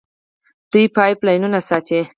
دوی پایپ لاینونه ساتي.